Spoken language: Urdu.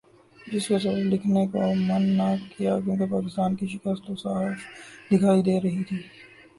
جس کے سبب لکھنے کو من نہ کیا کیونکہ پاکستان کی شکست تو صاف دکھائی دے رہی تھی ۔